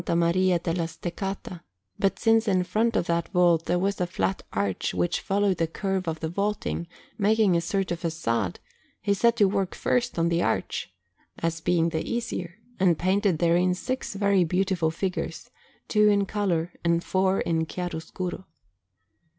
Maria della Steccata; but since in front of that vault there was a flat arch which followed the curve of the vaulting, making a sort of façade, he set to work first on the arch, as being the easier, and painted therein six very beautiful figures, two in colour and four in chiaroscuro.